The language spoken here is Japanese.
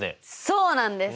そうなんです！